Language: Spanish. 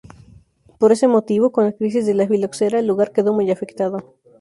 Por ese motivo, con la crisis de la filoxera, el lugar quedó muy afectado.